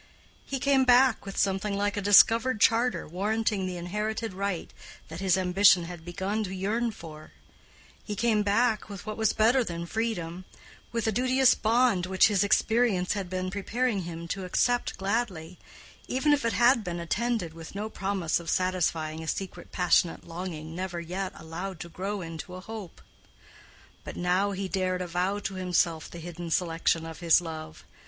He came back with something like a discovered charter warranting the inherited right that his ambition had begun to yearn for: he came back with what was better than freedom—with a duteous bond which his experience had been preparing him to accept gladly, even if it had been attended with no promise of satisfying a secret passionate longing never yet allowed to grow into a hope. But now he dared avow to himself the hidden selection of his love.